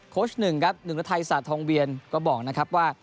คอร์ชหนึ่งครับหนึ่งรถไทยศาสตร์ทองเวียนก็บอกนะครับว่า